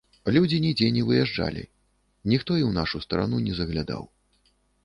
Людзі нідзе не выязджалі, ніхто і ў нашу старану не заглядаў.